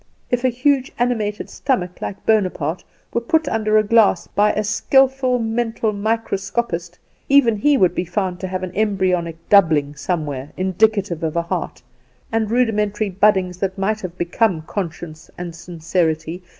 If a huge animated stomach like Bonaparte were put under a glass by a skilful mental microscopist, even he would be found to have an embryonic doubling somewhere indicative of a heart, and rudimentary buddings that might have become conscience and sincerity.